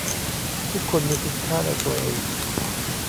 ทุกคนมีคุณค่าในตัวเอง